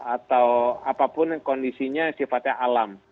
atau apapun kondisinya sifatnya alam